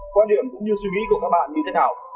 quan điểm cũng như suy nghĩ của các bạn như thế nào